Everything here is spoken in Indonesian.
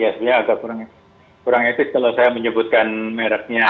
ya ini agak kurang etik kalau saya menyebutkan mereknya